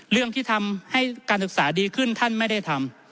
เรื่องที่ทำให้การศึกษาดีขึ้นท่านไม่ได้ทำ